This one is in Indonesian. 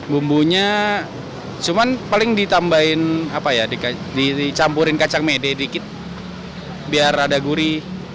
bumbunya cuma paling ditambahin dicampurin kacang mede dikit biar ada guri